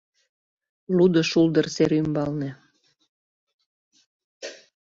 Лудо шулдыр сер ӱмбалне.